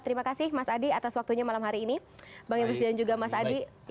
terima kasih mas adi atas waktunya malam hari ini bang emrus dan juga mas adi